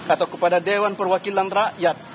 atau kepada dewan perwakilan rakyat